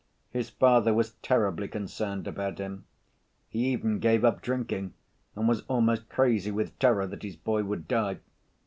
His father was terribly concerned about him. He even gave up drinking and was almost crazy with terror that his boy would die.